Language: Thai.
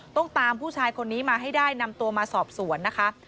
ต้องตามผู้ชายคนนี้มาให้ได้นำตัวมาสอบสวนนะคะ